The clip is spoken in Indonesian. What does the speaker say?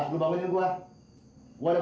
iya dah yang penting komisinya raya